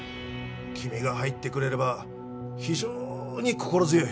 君が入ってくれれば非常に心強い。